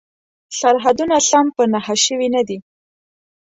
سرحدونه سم په نښه شوي نه دي.